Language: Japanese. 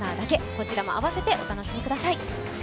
こちらも合わせてお楽しみください。